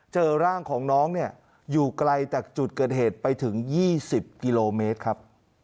เจอร่างของน้องเนี่ยอยู่ไกลจากจุดเกิดเหตุไปถึง๒๐กิโลเมตรครับ